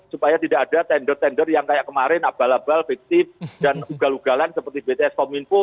supaya tidak ada tender tender yang kayak kemarin abal abal fiktif dan ugal ugalan seperti bts kominfo